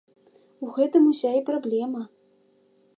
У гэтым ўся і праблема!